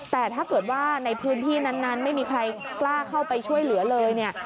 แต่ถ้าเกิดว่าในพื้นที่นั้นไม่มีใครกล้าเข้าไปช่วยเหลือเลยเนี่ย